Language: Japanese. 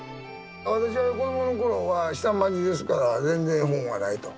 私は子どもの頃は下町ですから全然本はないと。